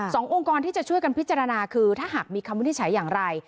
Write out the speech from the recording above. องค์กรที่จะช่วยกันพิจารณาคือถ้าหากมีคำวินิจฉัยอย่างไร